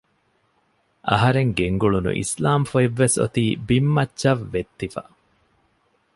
އަހަރެން ގެންގުޅުނު އިސްލާމް ފޮތްވެސް އޮތީ ބިންމައްޗަށް ވެއްތިފަ